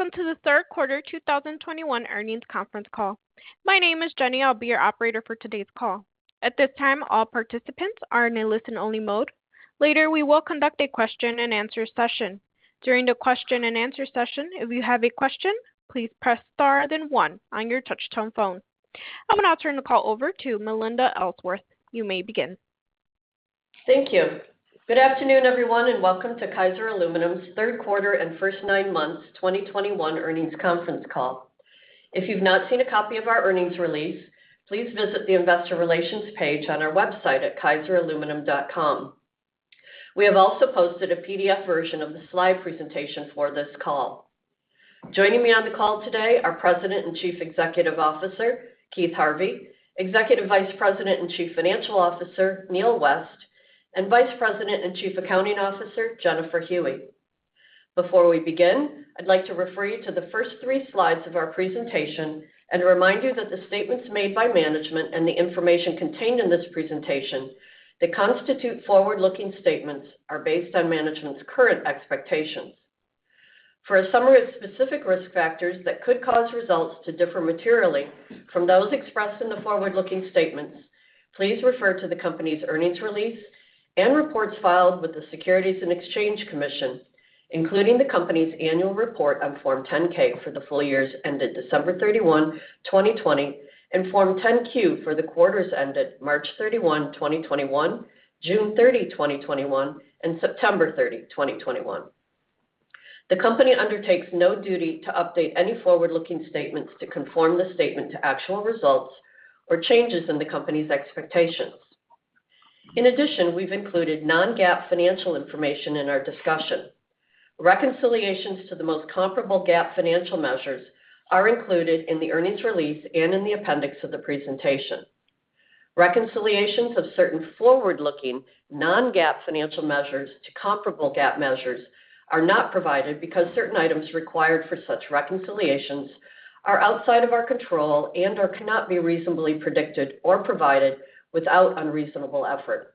Welcome to the third quarter 2021 earnings conference call. My name is Jenny. I'll be your operator for today's call. At this time, all participants are in a listen-only mode. Later, we will conduct a question-and-answer session. During the question-and-answer session, if you have a question, please press star then one on your touch-tone phone. I'm going to turn the call over to Melinda Ellsworth. You may begin. Thank you. Good afternoon, everyone, and welcome to Kaiser Aluminum's third quarter and first nine months 2021 earnings conference call. If you've not seen a copy of our earnings release, please visit the investor relations page on our website at kaiseraluminum.com. We have also posted a PDF version of the slide presentation for this call. Joining me on the call today are President and Chief Executive Officer, Keith Harvey, Executive Vice President and Chief Financial Officer, Neal West, and Vice President and Chief Accounting Officer, Jennifer Huey. Before we begin, I'd like to refer you to the first three slides of our presentation and remind you that the statements made by management and the information contained in this presentation that constitute forward-looking statements are based on management's current expectations. For a summary of specific risk factors that could cause results to differ materially from those expressed in the forward-looking statements, please refer to the company's earnings release and reports filed with the Securities and Exchange Commission, including the company's annual report on Form 10-K for the full years ended December 31, 2020, and Form 10-Q for the quarters ended March 31, 2021, June 30, 2021, and September 30, 2021. The company undertakes no duty to update any forward-looking statements to conform the statement to actual results or changes in the company's expectations. In addition, we've included non-GAAP financial information in our discussion. Reconciliations to the most comparable GAAP financial measures are included in the earnings release and in the appendix of the presentation. Reconciliations of certain forward-looking non-GAAP financial measures to comparable GAAP measures are not provided because certain items required for such reconciliations are outside of our control and/or cannot be reasonably predicted or provided without unreasonable effort.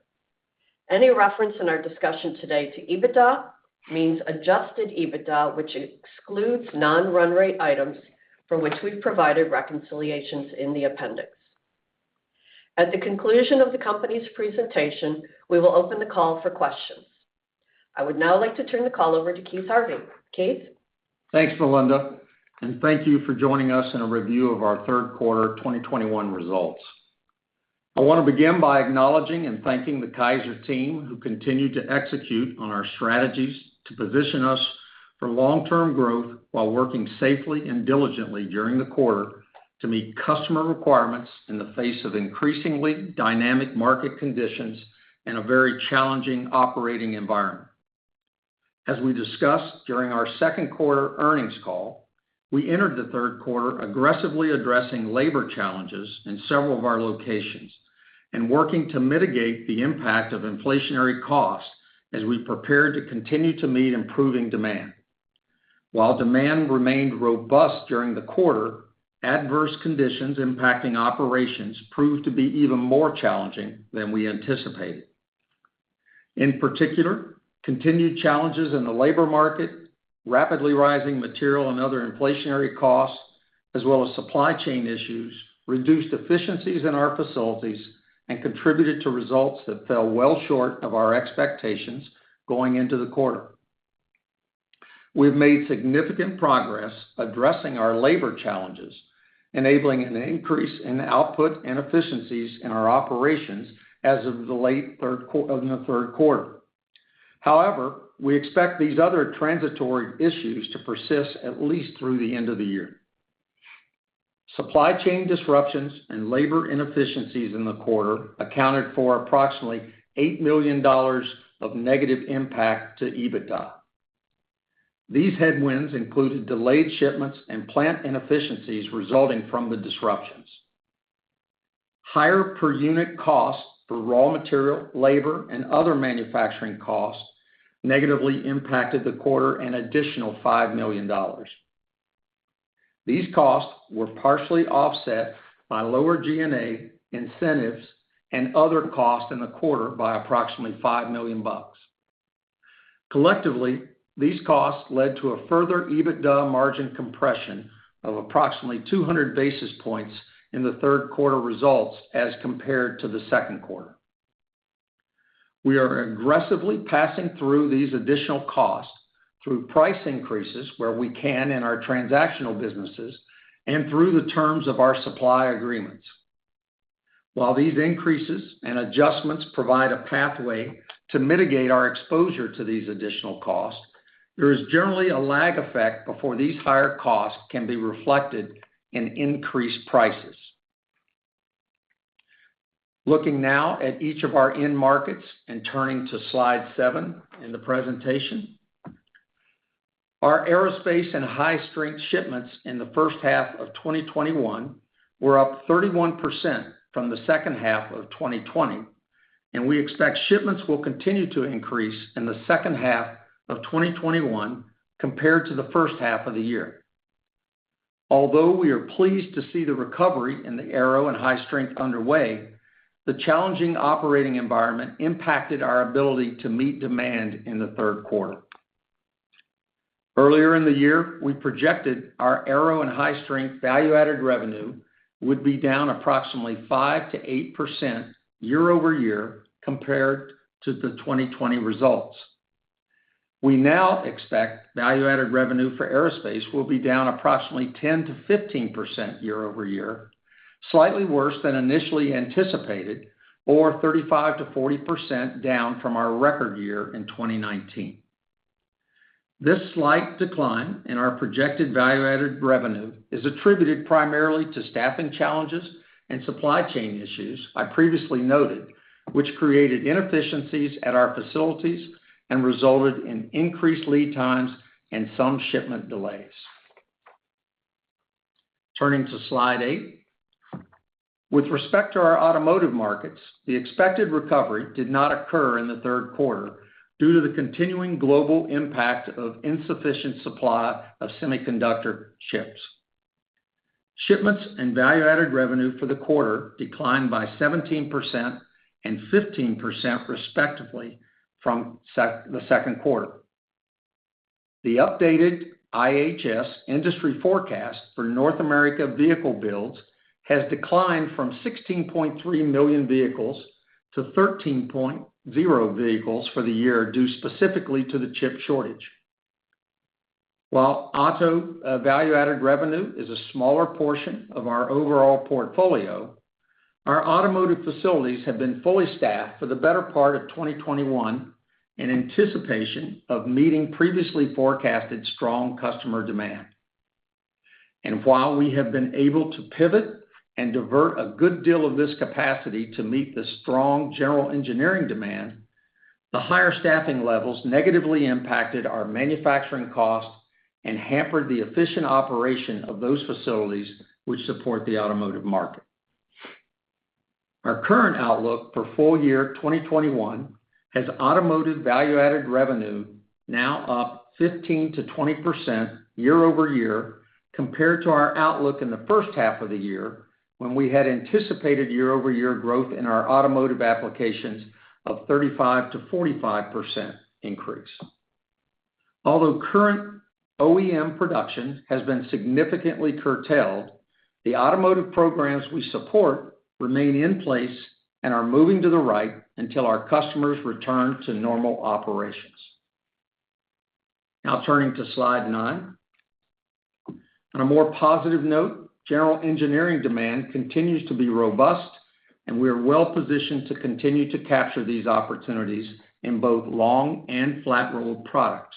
Any reference in our discussion today to EBITDA means adjusted EBITDA, which excludes non-run rate items from which we've provided reconciliations in the appendix. At the conclusion of the company's presentation, we will open the call for questions. I would now like to turn the call over to Keith Harvey. Keith? Thanks, Melinda. Thank you for joining us in a review of our third quarter 2021 results. I want to begin by acknowledging and thanking the Kaiser team, who continued to execute on our strategies to position us for long-term growth while working safely and diligently during the quarter to meet customer requirements in the face of increasingly dynamic market conditions and a very challenging operating environment. As we discussed during our second quarter earnings call, we entered the third quarter aggressively addressing labor challenges in several of our locations and working to mitigate the impact of inflationary costs as we prepared to continue to meet improving demand. While demand remained robust during the quarter, adverse conditions impacting operations proved to be even more challenging than we anticipated. In particular, continued challenges in the labor market, rapidly rising material and other inflationary costs, as well as supply chain issues, reduced efficiencies in our facilities and contributed to results that fell well short of our expectations going into the quarter. We've made significant progress addressing our labor challenges, enabling an increase in output and efficiencies in our operations as of the late third quarter. However, we expect these other transitory issues to persist at least through the end of the year. Supply chain disruptions and labor inefficiencies in the quarter accounted for approximately $8 million of negative impact to EBITDA. These headwinds included delayed shipments and plant inefficiencies resulting from the disruptions. Higher per-unit costs for raw material, labor, and other manufacturing costs negatively impacted the quarter an additional $5 million. These costs were partially offset by lower G&A incentives and other costs in the quarter by approximately $5 million. Collectively, these costs led to a further EBITDA margin compression of approximately 200 basis points in the third quarter results as compared to the second quarter. We are aggressively passing through these additional costs through price increases where we can in our transactional businesses and through the terms of our supply agreements. While these increases and adjustments provide a pathway to mitigate our exposure to these additional costs, there is generally a lag effect before these higher costs can be reflected in increased prices. Looking now at each of our end markets and turning to slide seven in the presentation. Our aerospace and high-strength shipments in the first half of 2021 were up 31% from the second half of 2020, and we expect shipments will continue to increase in the second half of 2021 compared to the first half of the year. Although we are pleased to see the recovery in the aero and high strength underway, the challenging operating environment impacted our ability to meet demand in the third quarter. Earlier in the year, we projected our aero and high strength value-added revenue would be down approximately 5%-8% year-over-year compared to the 2020 results. We now expect value-added revenue for aerospace will be down approximately 10%-15% year-over-year, slightly worse than initially anticipated, or 35%-40% down from our record year in 2019. This slight decline in our projected value-added revenue is attributed primarily to staffing challenges and supply chain issues I previously noted, which created inefficiencies at our facilities and resulted in increased lead times and some shipment delays. Turning to slide 8. With respect to our automotive markets, the expected recovery did not occur in the third quarter due to the continuing global impact of insufficient supply of semiconductor chips. Shipments and value-added revenue for the quarter declined by 17% and 15% respectively from the second quarter. The updated IHS industry forecast for North America vehicle builds has declined from 16.3 million vehicles to 13.0 vehicles for the year, due specifically to the chip shortage. While auto value-added revenue is a smaller portion of our overall portfolio, our automotive facilities have been fully staffed for the better part of 2021 in anticipation of meeting previously forecasted strong customer demand. While we have been able to pivot and divert a good deal of this capacity to meet the strong general engineering demand, the higher staffing levels negatively impacted our manufacturing costs and hampered the efficient operation of those facilities which support the automotive market. Our current outlook for full year 2021 has automotive value-added revenue now up 15%-20% year-over-year compared to our outlook in the first half of the year when we had anticipated year-over-year growth in our automotive applications of 35%-45% increase. Although current OEM production has been significantly curtailed, the automotive programs we support remain in place and are moving to the right until our customers return to normal operations. Now turning to slide nine. On a more positive note, general engineering demand continues to be robust, and we are well-positioned to continue to capture these opportunities in both long and flat-rolled products.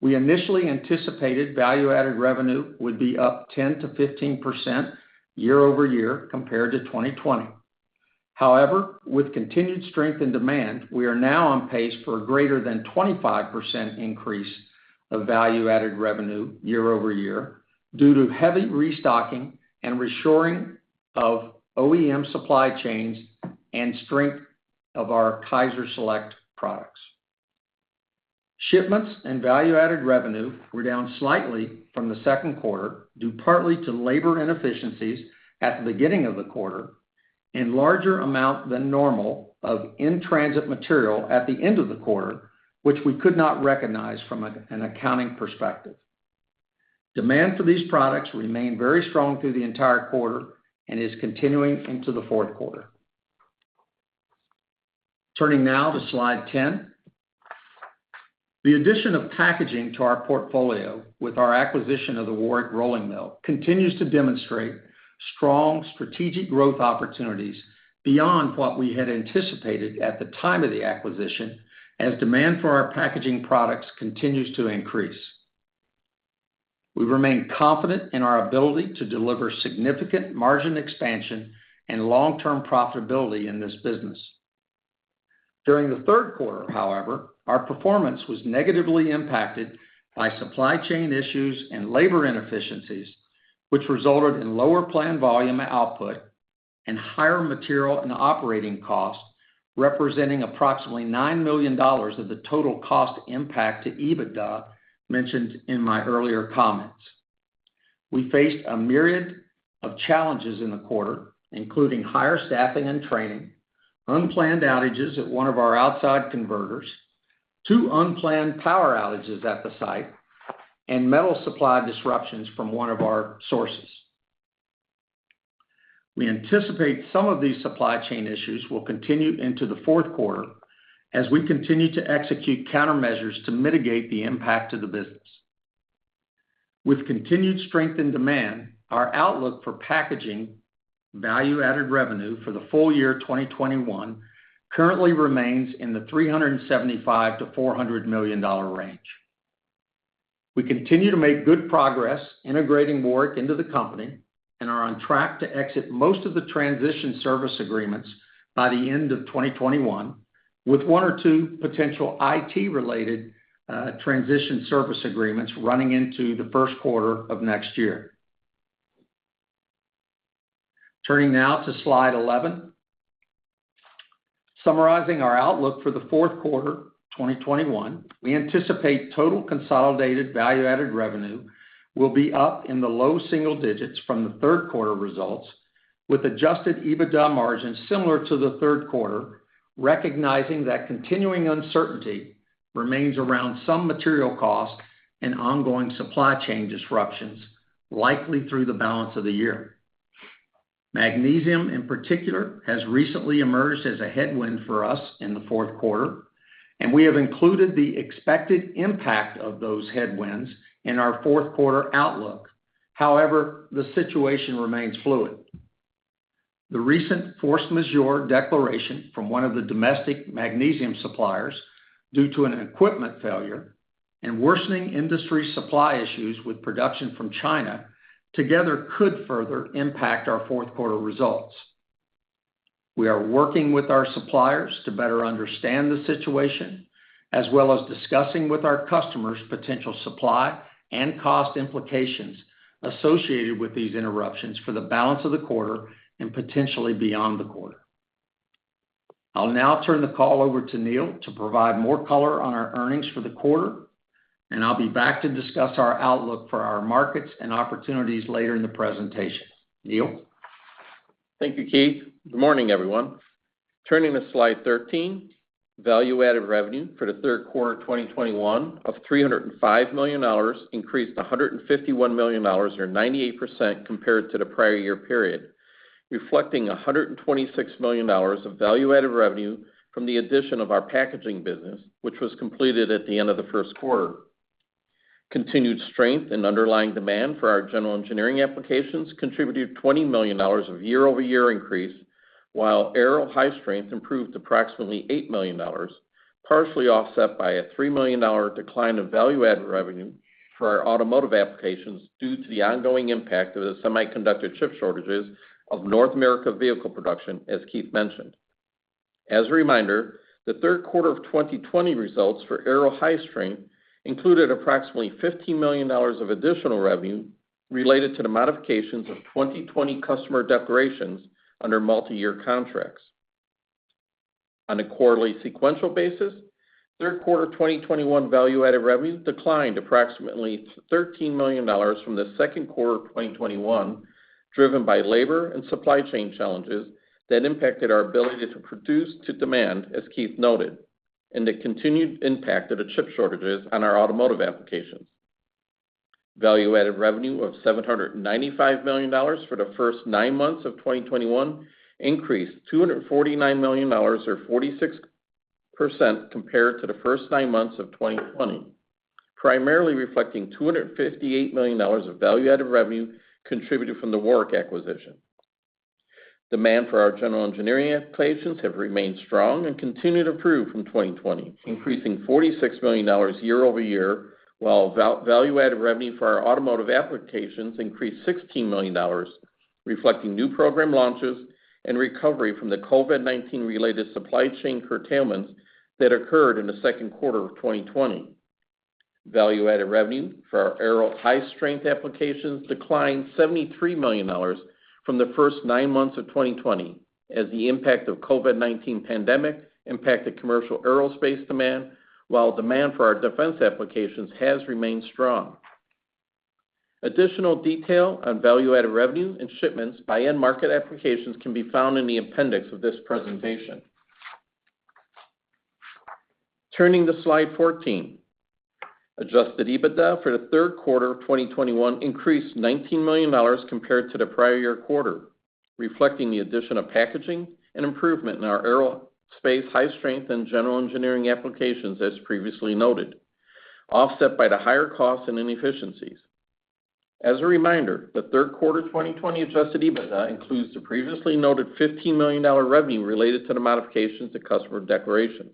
We initially anticipated value-added revenue would be up 10%-15% year-over-year compared to 2020. However, with continued strength in demand, we are now on pace for a greater than 25% increase of value-added revenue year-over-year due to heavy restocking and reshoring of OEM supply chains and strength of our KaiserSelect products. Shipments and value-added revenue were down slightly from the second quarter, due partly to labor inefficiencies at the beginning of the quarter and larger amount than normal of in-transit material at the end of the quarter, which we could not recognize from an accounting perspective. Demand for these products remained very strong through the entire quarter and is continuing into the fourth quarter. Turning now to slide 10. The addition of packaging to our portfolio with our acquisition of the Warrick Rolling Mill continues to demonstrate strong strategic growth opportunities beyond what we had anticipated at the time of the acquisition, as demand for our packaging products continues to increase. We remain confident in our ability to deliver significant margin expansion and long-term profitability in this business. During the third quarter, however, our performance was negatively impacted by supply chain issues and labor inefficiencies, which resulted in lower planned volume output and higher material and operating costs, representing approximately $9 million of the total cost impact to EBITDA mentioned in my earlier comments. We faced a myriad of challenges in the quarter, including higher staffing and training, unplanned outages at one of our outside converters, two unplanned power outages at the site, and metal supply disruptions from one of our sources. We anticipate some of these supply chain issues will continue into the fourth quarter as we continue to execute countermeasures to mitigate the impact to the business. With continued strength in demand, our outlook for packaging value-added revenue for the full year 2021 currently remains in the $375 million-$400 million range. We continue to make good progress integrating Warrick into the company and are on track to exit most of the transition service agreements by the end of 2021, with one or two potential IT-related transition service agreements running into the first quarter of next year. Turning now to slide 11. Summarizing our outlook for the fourth quarter 2021, we anticipate total consolidated value-added revenue will be up in the low single-digits from the third quarter results, with adjusted EBITDA margins similar to the third quarter, recognizing that continuing uncertainty remains around some material costs and ongoing supply chain disruptions likely through the balance of the year. Magnesium, in particular, has recently emerged as a headwind for us in the fourth quarter, and we have included the expected impact of those headwinds in our fourth-quarter outlook. However, the situation remains fluid. The recent force majeure declaration from one of the domestic magnesium suppliers due to an equipment failure and worsening industry supply issues with production from China together could further impact our fourth-quarter results. We are working with our suppliers to better understand the situation, as well as discussing with our customers potential supply and cost implications associated with these interruptions for the balance of the quarter and potentially beyond the quarter. I'll now turn the call over to Neal to provide more color on our earnings for the quarter, and I'll be back to discuss our outlook for our markets and opportunities later in the presentation. Neal? Thank you, Keith. Good morning, everyone. Turning to slide 13, value-added revenue for the third quarter 2021 of $305 million, increased to $151 million or 98% compared to the prior year period, reflecting $126 million of value-added revenue from the addition of our packaging business, which was completed at the end of the first quarter. Continued strength in underlying demand for our general engineering applications contributed $20 million of year-over-year increase, while aero high strength improved approximately $8 million, partially offset by a $3 million decline of value-added revenue for our automotive applications due to the ongoing impact of the semiconductor chip shortages of North America vehicle production, as Keith mentioned. As a reminder, the third quarter of 2020 results for aero high strength included approximately $15 million of additional revenue related to the modifications of 2020 customer declarations under multi-year contracts. On a quarterly sequential basis, third quarter 2021 value-added revenue declined approximately $13 million from the second quarter of 2021, driven by labor and supply chain challenges that impacted our ability to produce to demand, as Keith noted, and the continued impact of the chip shortages on our automotive applications. Value-added revenue of $795 million for the first nine months of 2021 increased $249 million or 46% compared to the first nine months of 2020, primarily reflecting $258 million of value-added revenue contributed from the Warrick acquisition. Demand for our general engineering applications have remained strong and continued to improve from 2020, increasing $46 million year-over-year, while value-added revenue for our automotive applications increased $16 million, reflecting new program launches and recovery from the COVID-19 related supply chain curtailments that occurred in the second quarter of 2020. Value-added revenue for our aero high-strength applications declined $73 million from the first nine months of 2020 as the impact of COVID-19 pandemic impacted commercial aerospace demand, while demand for our defense applications has remained strong. Additional detail on value-added revenue and shipments by end market applications can be found in the appendix of this presentation. Turning to slide 14. Adjusted EBITDA for the third quarter of 2021 increased $19 million compared to the prior year quarter, reflecting the addition of packaging and improvement in our aerospace high strength and general engineering applications as previously noted, offset by the higher costs and inefficiencies. As a reminder, the third quarter 2020 adjusted EBITDA includes the previously noted $15 million revenue related to the modifications to customer declarations.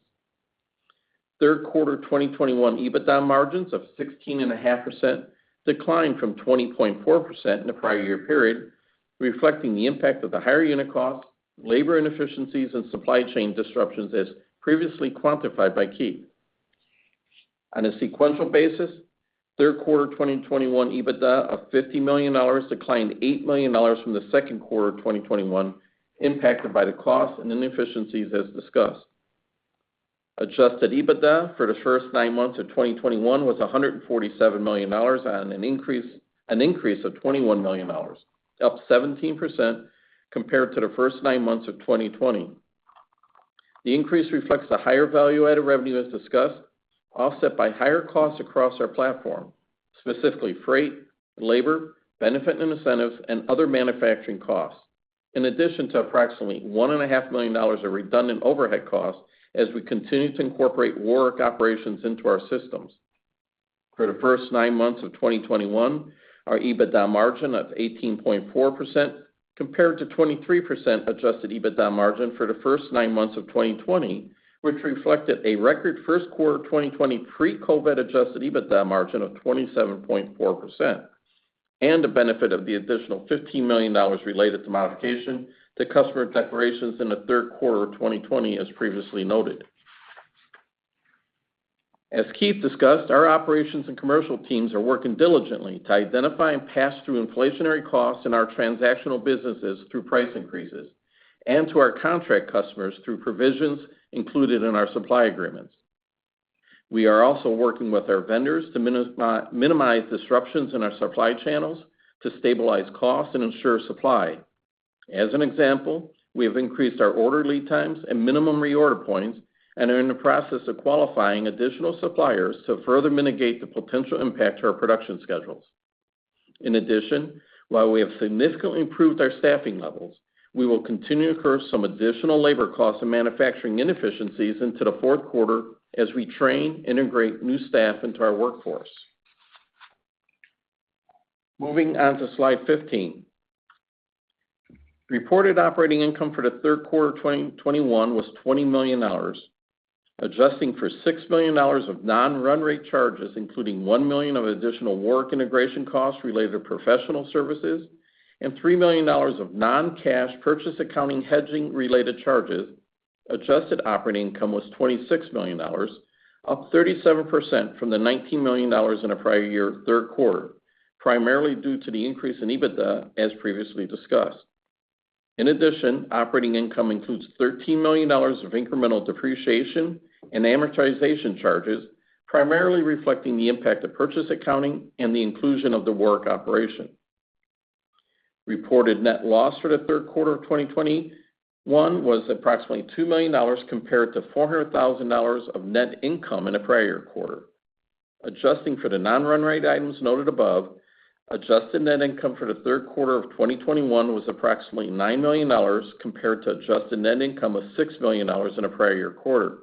Third quarter 2021 EBITDA margins of 16.5% decline from 20.4% in the prior year period, reflecting the impact of the higher unit cost, labor inefficiencies, and supply chain disruptions as previously quantified by Keith. On a sequential basis, third quarter 2021 EBITDA of $50 million declined $8 million from the second quarter of 2021, impacted by the cost and inefficiencies as discussed. Adjusted EBITDA for the first nine months of 2021 was $147 million on an increase of $21 million, up 17% compared to the first nine months of 2020. The increase reflects the higher value-added revenue as discussed, offset by higher costs across our platform, specifically freight, labor, benefit and incentives, and other manufacturing costs. In addition to approximately $1.5 million of redundant overhead costs as we continue to incorporate Warrick operations into our systems. For the first nine months of 2021, our EBITDA margin of 18.4% compared to 23% adjusted EBITDA margin for the first nine months of 2020, which reflected a record first quarter 2020 pre-COVID adjusted EBITDA margin of 27.4% and the benefit of the additional $15 million related to modification to customer declarations in the third quarter of 2020 as previously noted. As Keith discussed, our operations and commercial teams are working diligently to identify and pass through inflationary costs in our transactional businesses through price increases, and to our contract customers through provisions included in our supply agreements. We are also working with our vendors to minimize disruptions in our supply channels to stabilize costs and ensure supply. As an example, we have increased our order lead times and minimum reorder points and are in the process of qualifying additional suppliers to further mitigate the potential impact to our production schedules. In addition, while we have significantly improved our staffing levels, we will continue to incur some additional labor costs and manufacturing inefficiencies into the 4th quarter as we train, integrate new staff into our workforce. Moving on to slide 15. Reported operating income for the 3rd quarter of 2021 was $20 million. Adjusting for $6 million of non-run rate charges, including $1 million of additional Warrick integration costs related to professional services, and $3 million of non-cash purchase accounting hedging-related charges, adjusted operating income was $26 million, up 37% from the $19 million in the prior year third quarter, primarily due to the increase in EBITDA as previously discussed. In addition, operating income includes $13 million of incremental depreciation and amortization charges, primarily reflecting the impact of purchase accounting and the inclusion of the Warrick operation. Reported net loss for the third quarter of 2021 was approximately $2 million, compared to $400,000 of net income in the prior quarter. Adjusting for the non-run rate items noted above, adjusted net income for the third quarter of 2021 was approximately $9 million, compared to adjusted net income of $6 million in the prior year quarter.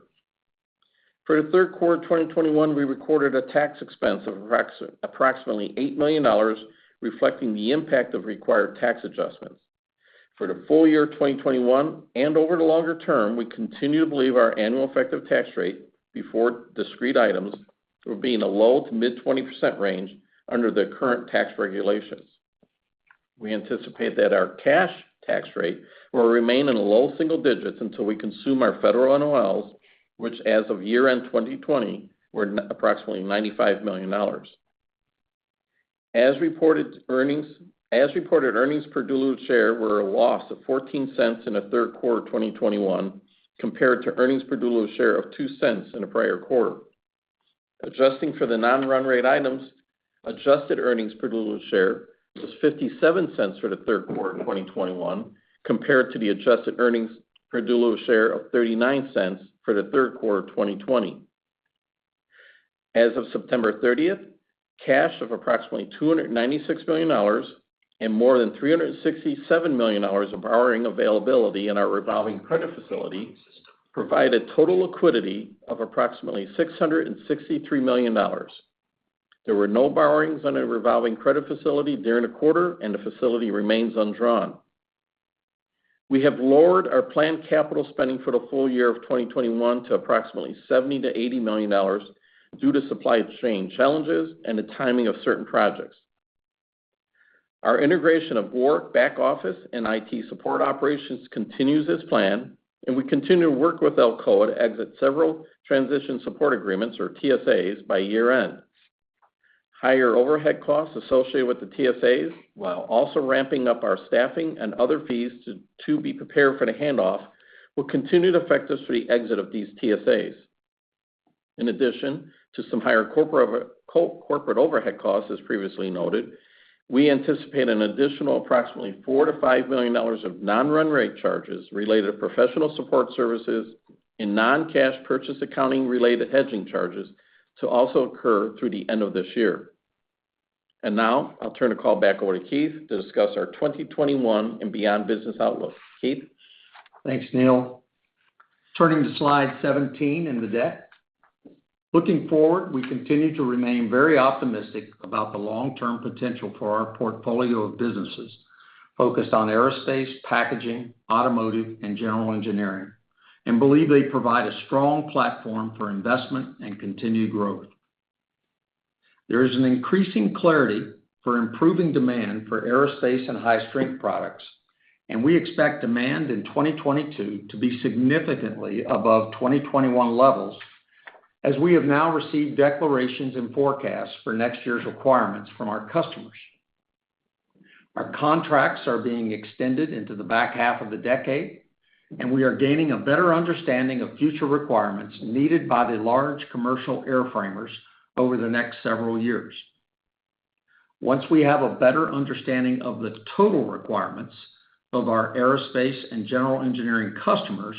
For the third quarter of 2021, we recorded a tax expense of approximately $8 million, reflecting the impact of required tax adjustments. For the full year of 2021 and over the longer term, we continue to believe our annual effective tax rate before discrete items will be in the low to mid-20% range under the current tax regulations. We anticipate that our cash tax rate will remain in the low single digits until we consume our federal NOLs, which as of year-end 2020, were approximately $95 million. As reported earnings per diluted share were a loss of $0.14 in the third quarter of 2021, compared to earnings per diluted share of $0.02 in the prior quarter. Adjusting for the non-run rate items, adjusted earnings per diluted share was $0.57 for the third quarter of 2021, compared to the adjusted earnings per diluted share of $0.39 for the third quarter of 2020. As of September 30th, cash of approximately $296 million and more than $367 million of borrowing availability in our revolving credit facility provided total liquidity of approximately $663 million. There were no borrowings on our revolving credit facility during the quarter, and the facility remains undrawn. We have lowered our planned capital spending for the full year of 2021 to approximately $70 million-$80 million due to supply chain challenges and the timing of certain projects. Our integration of Warrick back office and IT support operations continues as planned, and we continue to work with Alcoa to exit several transition support agreements or TSAs by year-end. Higher overhead costs associated with the TSAs, while also ramping up our staffing and other fees to be prepared for the handoff, will continue to affect us for the exit of these TSAs. In addition to some higher corporate overhead costs, as previously noted, we anticipate an additional approximately $4 million-$5 million of non-run rate charges related to professional support services and non-cash purchase accounting-related hedging charges to also occur through the end of this year. Now, I'll turn the call back over to Keith to discuss our 2021 and beyond business outlook. Keith? Thanks, Neal. Turning to slide 17 in the deck. Looking forward, we continue to remain very optimistic about the long-term potential for our portfolio of businesses focused on aerospace, packaging, automotive, and general engineering, and believe they provide a strong platform for investment and continued growth. There is an increasing clarity for improving demand for aerospace and high-strength products, and we expect demand in 2022 to be significantly above 2021 levels as we have now received declarations and forecasts for next year's requirements from our customers. Our contracts are being extended into the back half of the decade, and we are gaining a better understanding of future requirements needed by the large commercial airframers over the next several years. Once we have a better understanding of the total requirements of our aerospace and general engineering customers,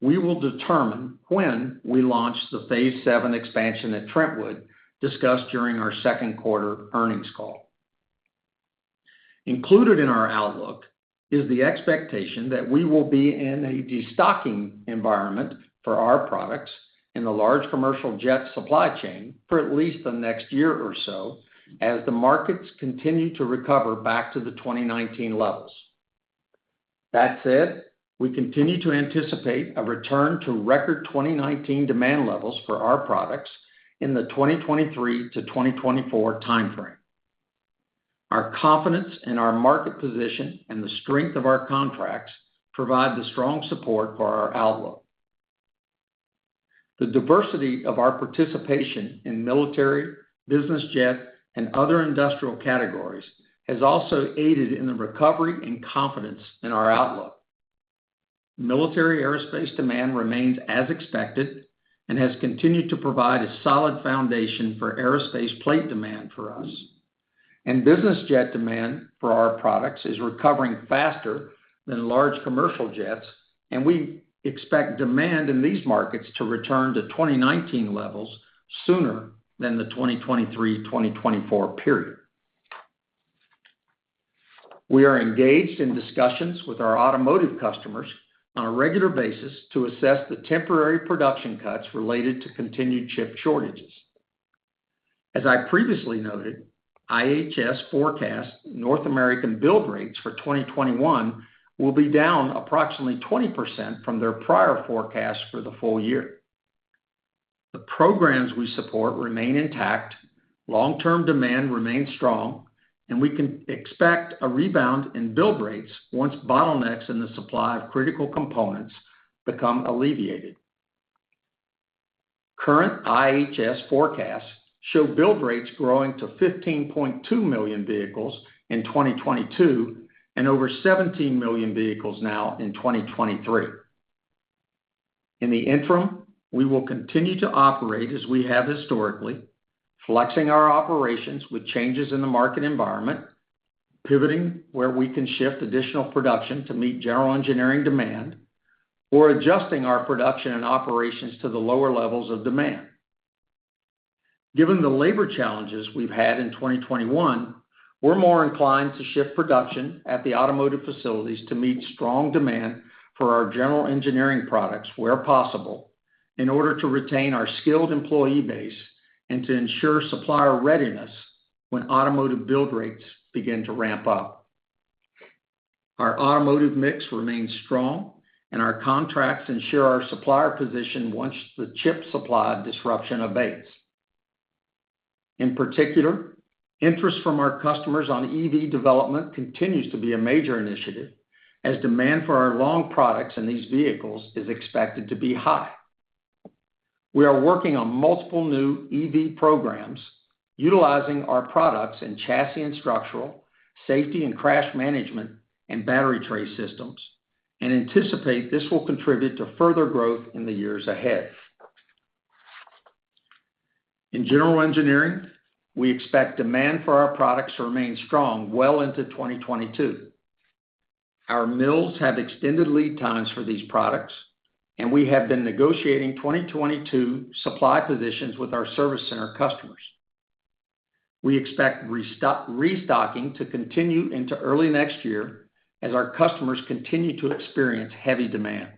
we will determine when we launch the phase seven expansion at Trentwood discussed during our second quarter earnings call. Included in our outlook is the expectation that we will be in a destocking environment for our products in the large commercial jet supply chain for at least the next year or so as the markets continue to recover back to the 2019 levels. That said, we continue to anticipate a return to record 2019 demand levels for our products in the 2023 to 2024 timeframe. Our confidence in our market position and the strength of our contracts provide the strong support for our outlook. The diversity of our participation in military, business jet, and other industrial categories has also aided in the recovery and confidence in our outlook. Military aerospace demand remains as expected and has continued to provide a solid foundation for aerospace plate demand for us. Business jet demand for our products is recovering faster than large commercial jets, and we expect demand in these markets to return to 2019 levels sooner than the 2023-2024 period. We are engaged in discussions with our automotive customers on a regular basis to assess the temporary production cuts related to continued chip shortages. As I previously noted, IHS forecasts North American build rates for 2021 will be down approximately 20% from their prior forecast for the full year. The programs we support remain intact, long-term demand remains strong, and we can expect a rebound in build rates once bottlenecks in the supply of critical components become alleviated. Current IHS forecasts show build rates growing to 15.2 million vehicles in 2022 and over 17 million vehicles now in 2023. In the interim, we will continue to operate as we have historically, flexing our operations with changes in the market environment, pivoting where we can shift additional production to meet general engineering demand, or adjusting our production and operations to the lower levels of demand. Given the labor challenges we've had in 2021, we're more inclined to shift production at the automotive facilities to meet strong demand for our general engineering products where possible, in order to retain our skilled employee base and to ensure supplier readiness when automotive build rates begin to ramp up. Our automotive mix remains strong, and our contracts ensure our supplier position once the chip supply disruption abates. In particular, interest from our customers on EV development continues to be a major initiative as demand for our long products in these vehicles is expected to be high. We are working on multiple new EV programs utilizing our products in chassis and structural, safety and crash management, and battery tray systems, and anticipate this will contribute to further growth in the years ahead. In general engineering, we expect demand for our products to remain strong well into 2022. Our mills have extended lead times for these products, and we have been negotiating 2022 supply positions with our service center customers. We expect restocking to continue into early next year as our customers continue to experience heavy demand.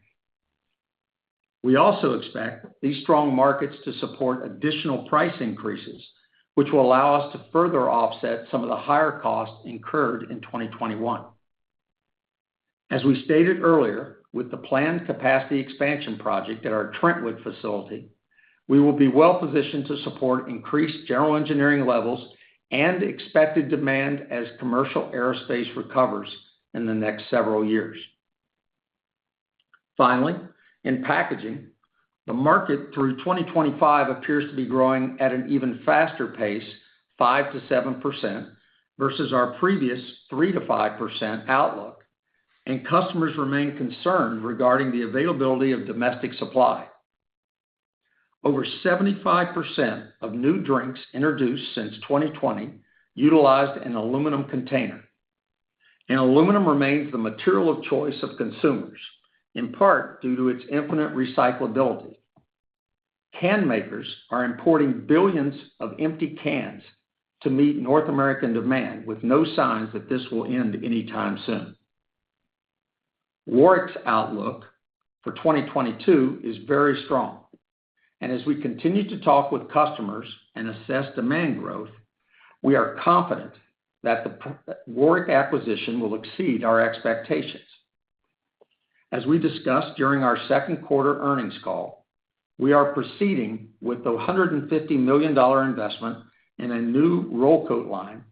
We also expect these strong markets to support additional price increases, which will allow us to further offset some of the higher costs incurred in 2021. As we stated earlier, with the planned capacity expansion project at our Trentwood facility, we will be well-positioned to support increased general engineering levels and expected demand as commercial aerospace recovers in the next several years. Finally, in packaging, the market through 2025 appears to be growing at an even faster pace, 5%-7%, versus our previous 3%-5% outlook, and customers remain concerned regarding the availability of domestic supply. Over 75% of new drinks introduced since 2020 utilized an aluminum container, and aluminum remains the material of choice of consumers, in part due to its infinite recyclability. Can makers are importing billions of empty cans to meet North American demand with no signs that this will end anytime soon. Warrick's outlook for 2022 is very strong. As we continue to talk with customers and assess demand growth, we are confident that the Warrick acquisition will exceed our expectations. As we discussed during our second quarter earnings call, we are proceeding with the $150 million investment in a new roll coat line,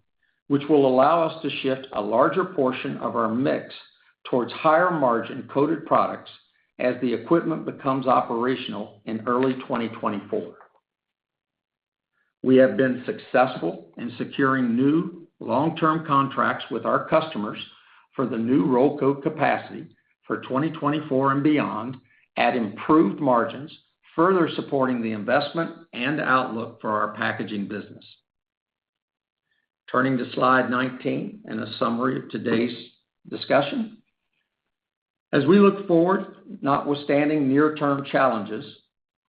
which will allow us to shift a larger portion of our mix towards higher-margin coated products as the equipment becomes operational in early 2024. We have been successful in securing new long-term contracts with our customers for the new roll coat capacity for 2024 and beyond at improved margins, further supporting the investment and outlook for our packaging business. Turning to slide 19 and a summary of today's discussion. As we look forward, notwithstanding near-term challenges,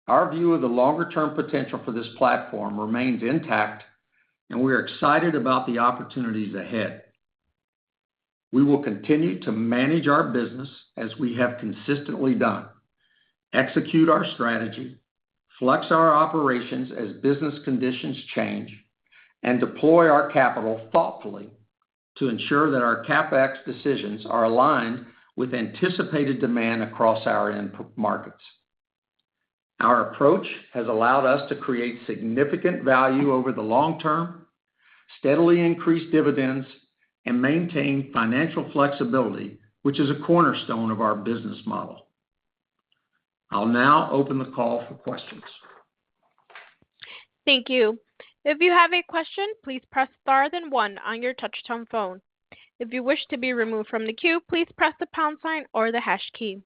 our view of the longer-term potential for this platform remains intact, and we are excited about the opportunities ahead. We will continue to manage our business as we have consistently done, execute our strategy, flex our operations as business conditions change, and deploy our capital thoughtfully to ensure that our CapEx decisions are aligned with anticipated demand across our end markets. Our approach has allowed us to create significant value over the long term, steadily increase dividends, and maintain financial flexibility, which is a cornerstone of our business model. I'll now open the call for questions. Thank you. If you have a question, please press star then one on your touch-tone phone. If you wish to be removed from the queue, please press the pound sign or the hash key.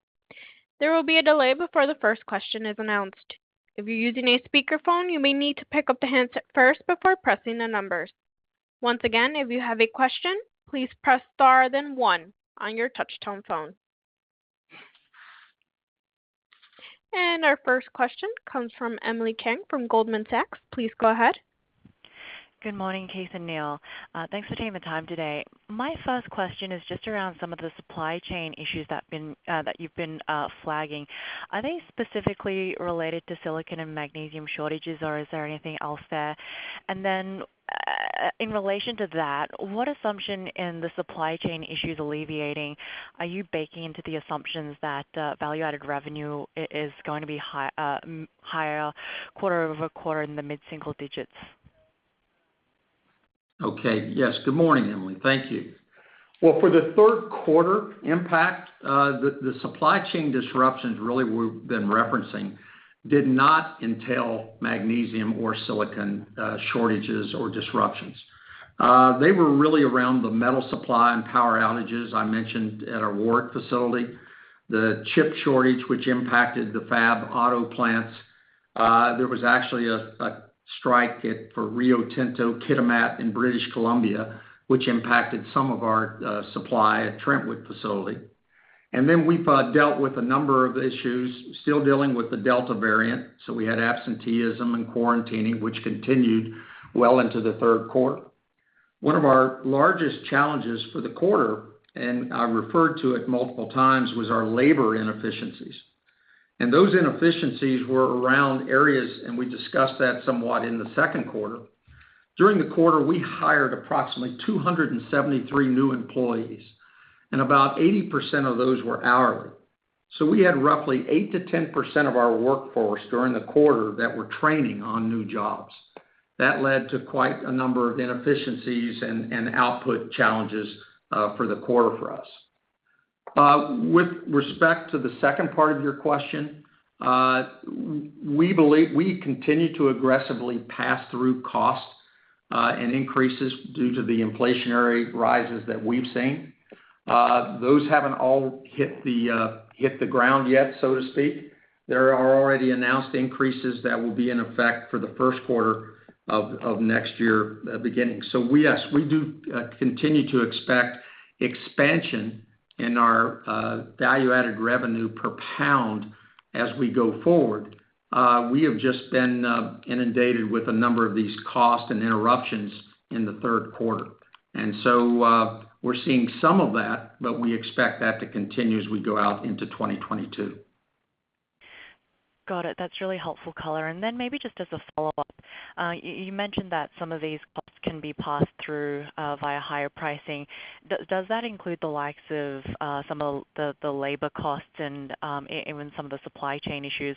There will be a delay before the first question is announced. If you're using a speakerphone, you may need to pick up the handset first before pressing the numbers. Once again, if you have a question, please press star then one on your touch-tone phone. Our first question comes from Emily Chieng from Goldman Sachs. Please go ahead. Good morning, Keith and Neal. Thanks for taking the time today. My first question is just around some of the supply chain issues that you've been flagging. Are they specifically related to silicon and magnesium shortages, or is there anything else there? In relation to that, what assumption in the supply chain issues alleviating are you baking into the assumptions that value-added revenue is going to be higher quarter-over-quarter in the mid-single digits? Okay. Yes. Good morning, Emily Chieng. Thank you. Well, for the third quarter impact, the supply chain disruptions really we've been referencing did not entail magnesium or silicon shortages or disruptions. They were really around the metal supply and power outages I mentioned at our Warrick facility. The chip shortage, which impacted the fab auto plants. There was actually a strike for Rio Tinto, Kitimat in British Columbia, which impacted some of our supply at Trentwood facility. Then we've dealt with a number of issues, still dealing with the Delta variant. We had absenteeism and quarantining, which continued well into the third quarter. One of our largest challenges for the quarter, and I referred to it multiple times, was our labor inefficiencies. Those inefficiencies were around areas, and we discussed that somewhat in the second quarter. During the quarter, we hired approximately 273 new employees, and about 80% of those were hourly. We had roughly 8%-10% of our workforce during the quarter that were training on new jobs. That led to quite a number of inefficiencies and output challenges for the quarter for us. With respect to the second part of your question, we continue to aggressively pass through costs and increases due to the inflationary rises that we've seen. Those haven't all hit the ground yet, so to speak. There are already announced increases that will be in effect for the first quarter of next year beginning. Yes, we do continue to expect expansion in our value-added revenue per pound as we go forward. We have just been inundated with a number of these costs and interruptions in the third quarter. We're seeing some of that, but we expect that to continue as we go out into 2022. Got it. That's really helpful color. Then maybe just as a follow-up, you mentioned that some of these costs can be passed through via higher pricing. Does that include the likes of some of the labor costs and even some of the supply chain issues?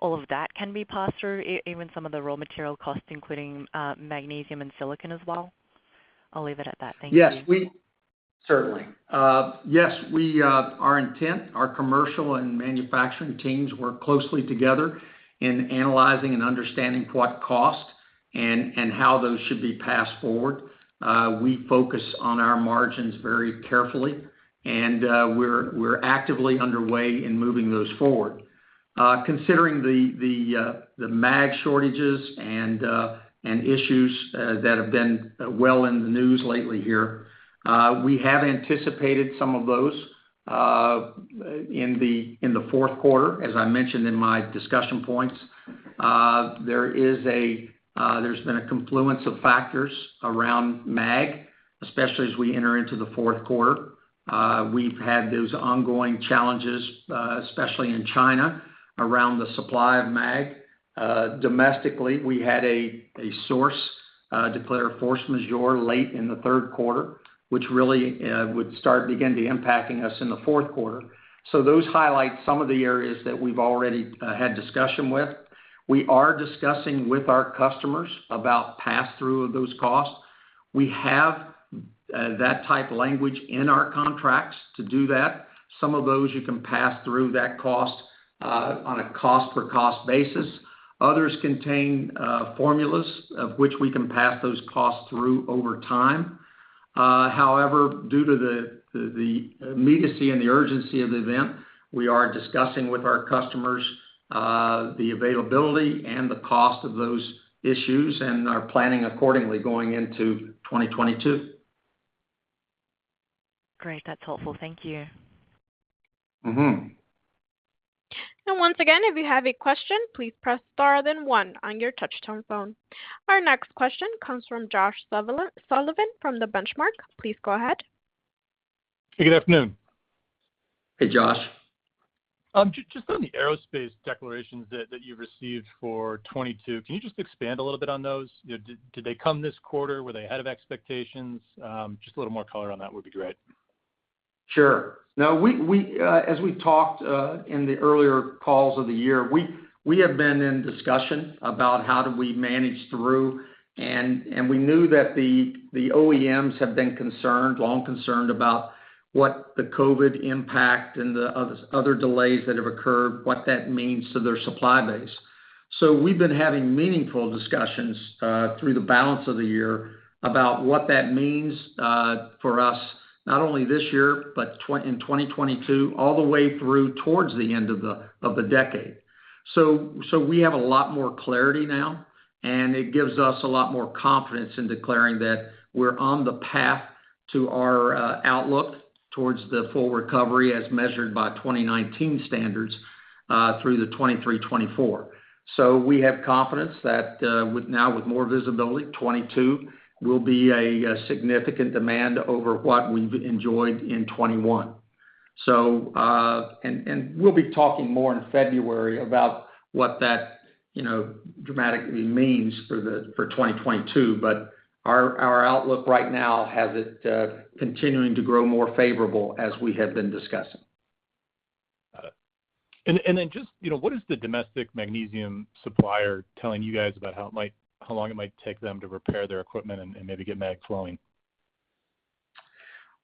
All of that can be passed through, even some of the raw material costs, including magnesium and silicon as well? I'll leave it at that. Thank you. Yes. Certainly. Yes. Our intent, our commercial and manufacturing teams work closely together in analyzing and understanding what cost and how those should be passed forward. We focus on our margins very carefully, and we're actively underway in moving those forward. Considering the mag shortages and issues that have been well in the news lately here, we have anticipated some of those in the fourth quarter, as I mentioned in my discussion points. There's been a confluence of factors around mag, especially as we enter into the fourth quarter. We've had those ongoing challenges, especially in China, around the supply of mag. Domestically, we had a source declare force majeure late in the third quarter, which really would start begin to impacting us in the fourth quarter. Those highlight some of the areas that we've already had discussion with. We are discussing with our customers about pass-through of those costs. We have that type of language in our contracts to do that. Some of those you can pass through that cost on a cost-per-cost basis. Others contain formulas of which we can pass those costs through over time. However, due to the immediacy and the urgency of the event, we are discussing with our customers the availability and the cost of those issues and are planning accordingly going into 2022. Great. That's helpful. Thank you. Once again, if you have a question, please press star then one on your touch-tone phone. Our next question comes from Josh Sullivan from The Benchmark. Please go ahead. Good afternoon. Hey, Josh. Just on the aerospace declarations that you've received for 2022, can you just expand a little bit on those? Did they come this quarter? Were they ahead of expectations? Just a little more color on that would be great. Sure. As we talked in the earlier calls of the year, we have been in discussion about how do we manage through. We knew that the OEMs have been long concerned about what the COVID impact and the other delays that have occurred, what that means to their supply base. We've been having meaningful discussions through the balance of the year about what that means for us, not only this year, but in 2022, all the way through towards the end of the decade. We have a lot more clarity now, and it gives us a lot more confidence in declaring that we're on the path to our outlook towards the full recovery as measured by 2019 standards through the 2023-2024. We have confidence that now with more visibility, 2022 will be a significant demand over what we've enjoyed in 2021. We'll be talking more in February about what that dramatically means for 2022. Our outlook right now has it continuing to grow more favorable as we have been discussing. Got it. Just what is the domestic magnesium supplier telling you guys about how long it might take them to repair their equipment and maybe get mag flowing?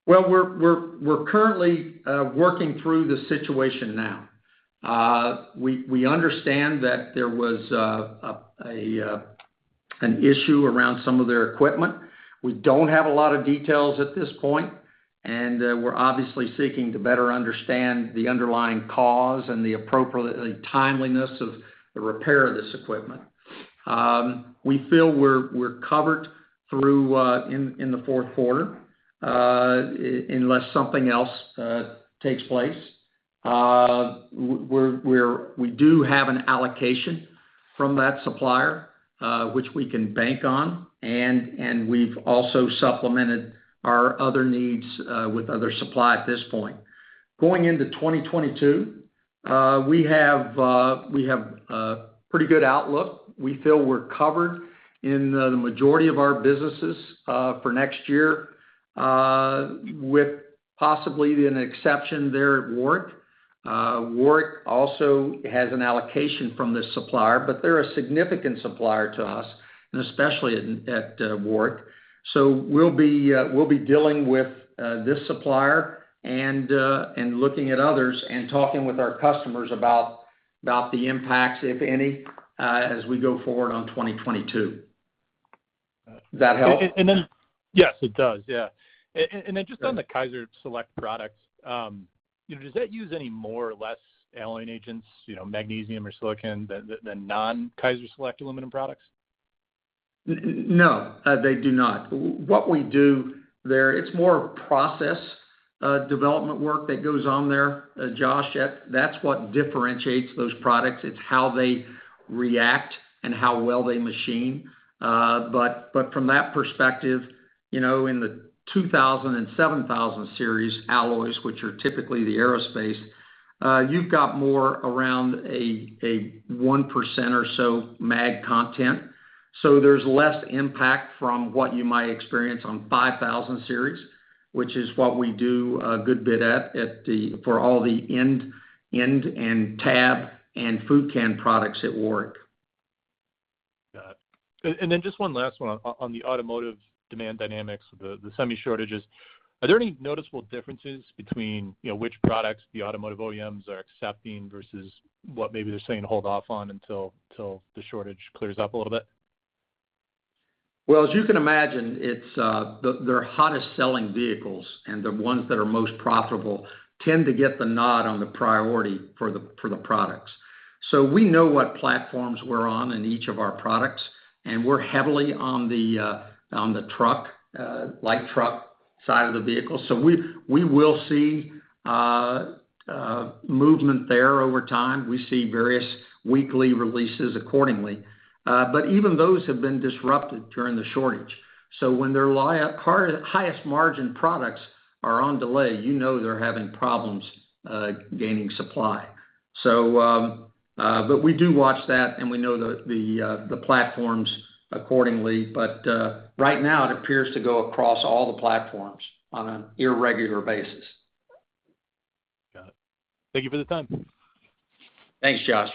Well, we're currently working through the situation now. We understand that there was an issue around some of their equipment. We don't have a lot of details at this point, and we're obviously seeking to better understand the underlying cause and the appropriateness and timeliness of the repair of this equipment. We feel we're covered through in the fourth quarter, unless something else takes place. We do have an allocation from that supplier, which we can bank on, and we've also supplemented our other needs with other supply at this point. Going into 2022, we have a pretty good outlook. We feel we're covered in the majority of our businesses for next year, with possibly an exception there at Warrick. Warrick also has an allocation from this supplier, but they're a significant supplier to us, and especially at Warrick. We'll be dealing with this supplier and looking at others and talking with our customers about the impacts, if any, as we go forward on 2022. Does that help? Yes, it does. Just on the Kaiser Select products, does that use any more or less alloy agents, magnesium or silicon, than non-Kaiser Select aluminum products? No, they do not. What we do there, it's more of process development work that goes on there, Josh. That's what differentiates those products. It's how they react and how well they machine. From that perspective, in the 2000 series and 7000 series alloys, which are typically the aerospace, you've got more around a 1% or so mag content. There's less impact from what you might experience on 5000 series, which is what we do a good bit at for all the end and tab and food can products at Warrick. Got it. Just one last one on the automotive demand dynamics, the semi shortages. Are there any noticeable differences between which products the automotive OEMs are accepting versus what maybe they're saying hold off on until the shortage clears up a little bit? As you can imagine, their hottest selling vehicles and the ones that are most profitable tend to get the nod on the priority for the products. We know what platforms we're on in each of our products, and we're heavily on the light truck side of the vehicle. We will see movement there over time. We see various weekly releases accordingly. Even those have been disrupted during the shortage. When their highest margin products are on delay, you know they're having problems gaining supply. We do watch that, and we know the platforms accordingly. Right now it appears to go across all the platforms on an irregular basis. Got it. Thank you for the time. Thanks, Josh.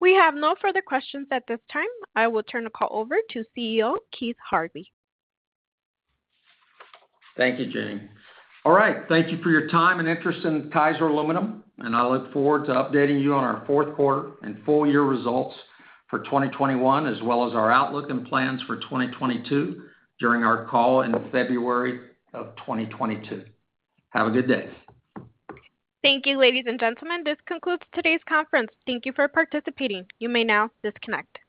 We have no further questions at this time. I will turn the call over to CEO Keith Harvey. Thank you, Jenny. All right. Thank you for your time and interest in Kaiser Aluminum, and I look forward to updating you on our fourth quarter and full year results for 2021, as well as our outlook and plans for 2022 during our call in February of 2022. Have a good day. Thank you, ladies and gentlemen. This concludes today's conference. Thank you for participating. You may now disconnect.